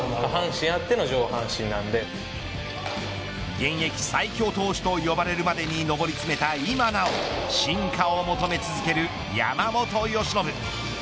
現役最強投手と呼ばれるまでに上り詰めた今なお進化を求め続ける山本由伸。